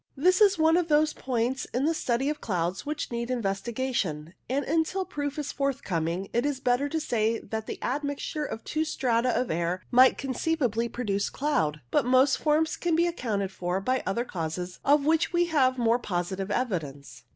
This is one of those points in the study of clouds which need investigation, and until proof is forthcoming it is better to say that the admixture of two strata of air might conceivably produce cloud, but most forms can be accounted for by other causes of which we have more positive evidence.